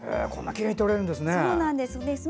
こんなきれいに撮れるんですね。